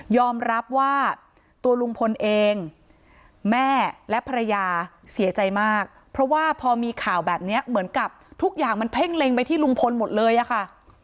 รับว่าตัวลุงพลเองแม่และภรรยาเสียใจมากเพราะว่าพอมีข่าวแบบนี้เหมือนกับทุกอย่างมันเพ่งเล็งไปที่ลุงพลหมดเลยอะค่ะ